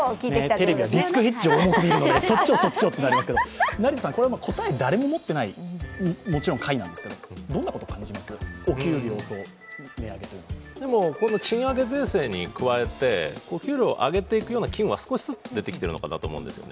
テレビはリスクヘッジを重く見るので、そっちを、そっちをとなりますけれども答えは誰も持っていない、どんなことを感じますか、お給料と値上げというのは。賃上げ税制に加えてお給料上げていく企業は少しずつ出てきているのかなと思いますね。